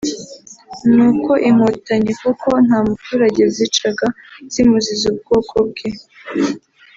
ni uko Inkotanyi koko nta muturage zicaga zimuziza ubwoko bwe